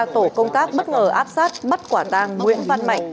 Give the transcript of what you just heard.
ba tổ công tác bất ngờ áp sát bắt quả tang nguyễn văn mạnh